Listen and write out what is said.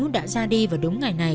đã ra đi vào đúng ngày này